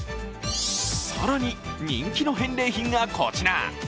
更に人気の返礼品がこちら。